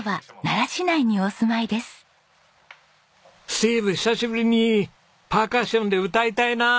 スティーヴ久しぶりにパーカッションで歌いたいな！